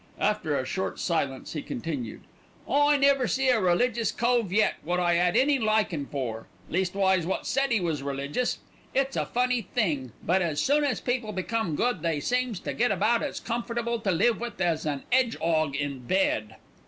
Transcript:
After a short silence he continued, "I never see a religious cove yet wot I 'ad any likin' for, leastwise, wot said 'e was religious. It's a funny thing, but as soon as people become good they seems to get about as comfortable to live with as an 'edge'og in bed.